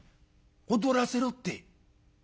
「『踊らせろ』って」。